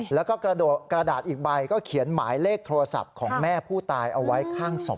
แล้วก็กระดาษอีกใบก็เขียนหมายเลขโทรศัพท์ของแม่ผู้ตายเอาไว้ข้างศพ